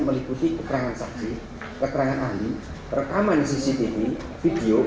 meliputi keterangan saksi keterangan ahli rekaman cctv video